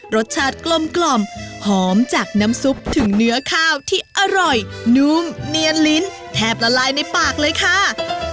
รสชาติกลมหอมจากน้ำซุปถึงเนื้อข้าวที่อร่อยนุ่มเนียนลิ้นแทบละลายในปากเลยค่ะ